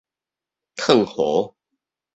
勸和